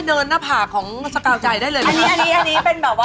อันนี้อันนี้เป็นแบบว่า